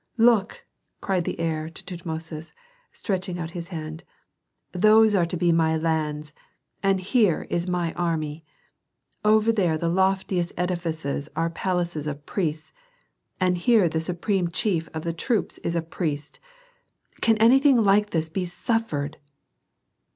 "Look," cried the heir to Tutmosis, stretching out his hand, "those are to be my lands, and here is my army. Over there the loftiest edifices are palaces of priests, and here the supreme chief of the troops is a priest! Can anything like this be suffered?"